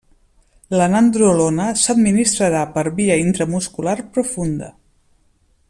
La nandrolona s'administrarà per via intramuscular profunda.